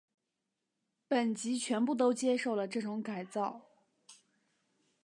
本级全部都接受了这种改造。